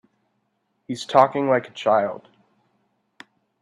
He's talking like a child.